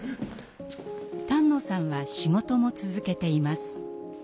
丹野さんは仕事も続けています。